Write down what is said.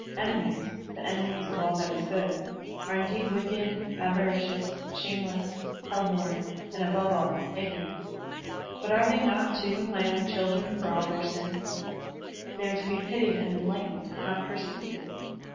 Enemies — the enemies of all that is good — are indeed wicked, avaricious, shameless, hell bom, and, above all, ignorant. But are they not, too, my own children for all their sins? They are to be pitied and enlightened, not persecuted.